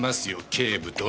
警部殿。